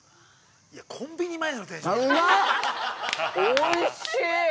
おいしい！